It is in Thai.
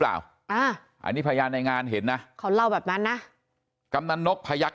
อ่าอันนี้พยานในงานเห็นนะเขาเล่าแบบนั้นนะกำนันนกพยักษ